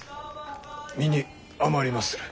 身に余りまする。